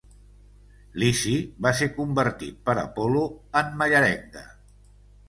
Lici va ser convertit per Apol·lo en mallerenga.